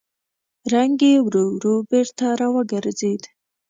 رنګ يې ورو ورو بېرته راوګرځېد.